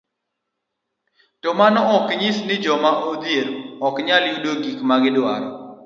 To mano ok nyis ni joma odhier ok nyal yudo gik ma gidwarogo.